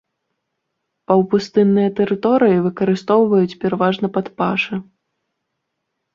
Паўпустынныя тэрыторыі выкарыстоўваюць пераважна пад пашы.